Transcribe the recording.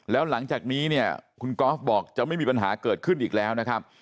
แล้วหลังจากนี้เนี่ยคุณกอล์ฟบอกจะไม่มีปัญหาเกิดขึ้นอีกแล้วนะครับ